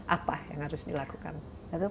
apa yang harus dilakukan